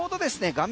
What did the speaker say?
画面